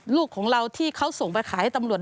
ลูกของเราที่เขาส่งไปขายให้ตำรวจ